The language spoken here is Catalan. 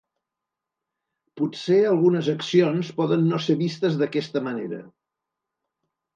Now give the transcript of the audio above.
Potser algunes accions poden no ser vistes d’aquesta manera.